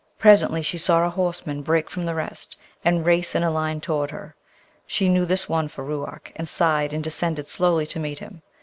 Presently she saw a horseman break from the rest, and race in a line toward her. She knew this one for Ruark, and sighed and descended slowly to meet him.